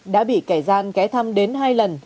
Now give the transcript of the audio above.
đã bị kẻ gian ké thăm đến hai lần